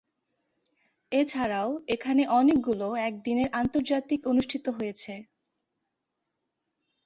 এছাড়াও, এখানে অনেকগুলো একদিনের আন্তর্জাতিক অনুষ্ঠিত হয়েছে।